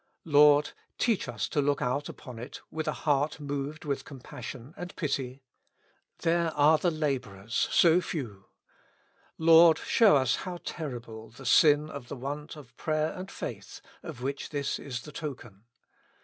Lord, teach us to look out upon it with a heart moved with compassion and pity. There are the laborers, so few. Lord, show us how terrible the sin of the want of prayer and faith, of which this is the token.